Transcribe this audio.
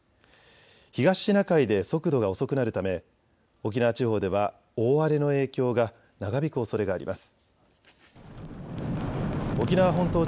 東シナ海で速度が遅くなるため沖縄地方では大荒れの影響が長引くおそれがあります。